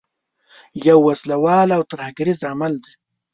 یو وسله وال او ترهګریز عمل دی.